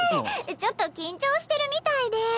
ちょっと緊張してるみたいで。